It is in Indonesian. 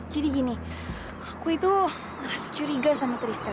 jadi gini aku itu ngerasa curiga sama tristan